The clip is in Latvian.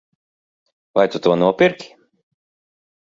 Vai tu to nopirki?